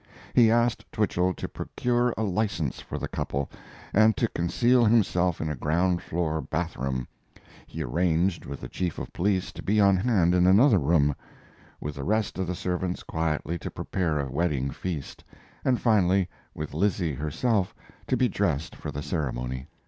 He asked Twichell to procure a license for the couple, and to conceal himself in a ground floor bath room. He arranged with the chief of police to be on hand in another room; with the rest of the servants quietly to prepare a wedding feast, and finally with Lizzie herself to be dressed for the ceremony.